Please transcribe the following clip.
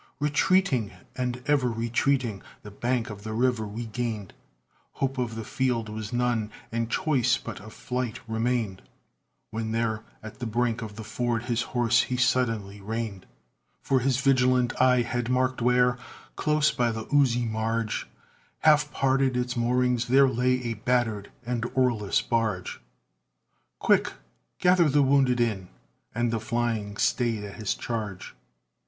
Retreating and ever retreating, the bank of the river we gained, Hope of the field was none, and choice but of flight remained, When there at the brink of the ford his horse he suddenly reined. For his vigilant eye had marked where, close by the oozy marge, Half parted its moorings, there lay a battered and oarless barge. "Quick! gather the wounded in!" and the flying stayed at his charge.